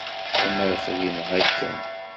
Amer xdimeɣ akka.